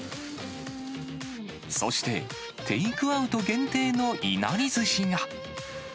そしてテイクアウト限定のいなりずしが。